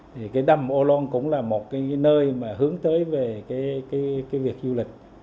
thì cái đầm âu loan cũng là một cái nơi mà hướng tới về cái việc du lịch